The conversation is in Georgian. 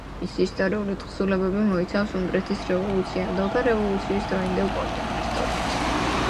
მისი ისტორიული თხზულებები მოიცავს უნგრეთის რევოლუციამდელ და რევოლუცის დროინდელ პოლიტიკურ ისტორიას.